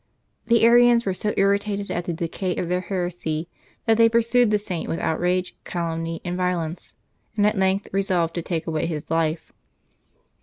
The Arians w^ere so irritated at the decay of their heresy that they pursued the Saint with out rage, calumny, and violence, and at length resolved to take aw^ay his life.